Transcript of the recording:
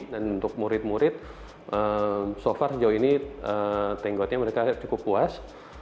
dan untuk murid murid so far sejauh ini thank godnya mereka cukup puas